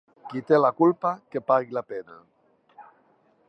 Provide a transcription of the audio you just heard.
Qui té la culpa, que pagui la pena.